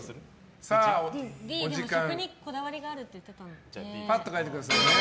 食にこだわりがあるって言ってたので。